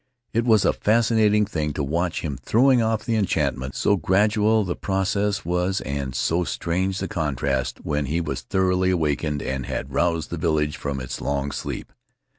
It was a fascinating thing to watch him throwing off the enchantment, so gradual the process was and so strange the contrast when he was thoroughly awakened and had roused the village from its long sleep.